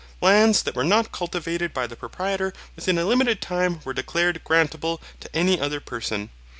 Lands that were not cultivated by the proprietor within a limited time were declared grantable to any other person.